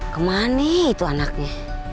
kemana itu anaknya